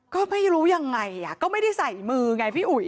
ก็ไม่รู้ยังไงก็ไม่ได้ใส่มือไงพี่อุ๋ย